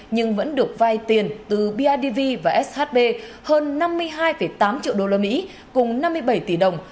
nhưng vẫn được vay tiền từ bidv và shb hơn năm mươi hai tám triệu đô la mỹ cùng năm mươi bảy tỷ đồng